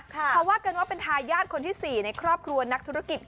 เขาว่ากันว่าเป็นทายาทคนที่๔ในครอบครัวนักธุรกิจ